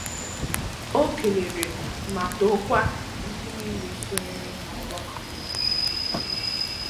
O kelere ma tòkwa ndị niile sonyere n'ọgbakọ ahụ